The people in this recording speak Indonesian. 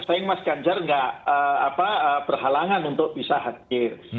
sayang mas ganjar nggak berhalangan untuk bisa hadir